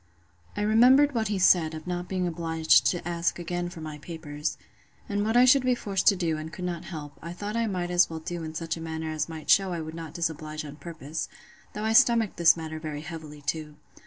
I remembered what he said, of not being obliged to ask again for my papers; and what I should be forced to do, and could not help, I thought I might as well do in such a manner as might shew I would not disoblige on purpose: though I stomached this matter very heavily too.